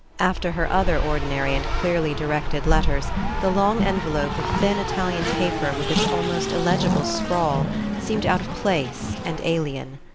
After her other ordinary and clearly directed letters the long envelope of thin Italian paper with its almost illegible scrawl seemed out of place and alien.